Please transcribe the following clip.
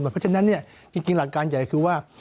เพราะฉะนั้นจริงหลักการใหญ่คือว่า